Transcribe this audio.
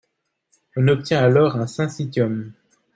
On obtient alors un syncitium.